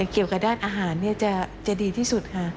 เกี่ยวกับด้านอาหารจะดีที่สุดค่ะ